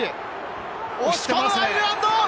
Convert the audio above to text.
押し込むアイルランド！